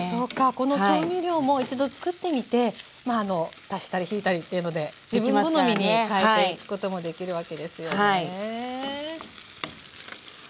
この調味料も一度つくってみて足したり引いたりっていうので自分好みに変えていくこともできるわけですよね。